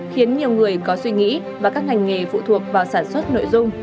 khiến nhiều người có suy nghĩ và các ngành nghề phụ thuộc vào sản xuất nội dung